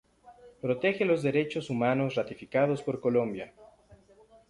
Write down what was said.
Protege los derechos humanos ratificados por Colombia.